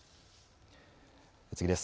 次です。